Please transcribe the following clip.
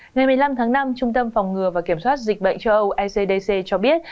ngày một mươi năm tháng năm trung tâm phòng ngừa và kiểm soát dịch bệnh châu âu ecdc cho biết